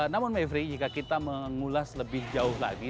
namun mevri jika kita mengulas lebih jauh lagi